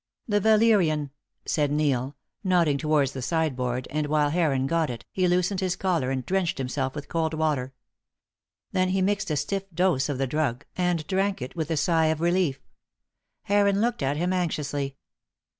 "The valerian," said Neil, nodding towards the sideboard, and while Heron got it, he loosened his collar and drenched himself with cold water. Then he mixed a stiff dose of the drug, and drank it it with a sigh of relief. Heron looked at him anxiously.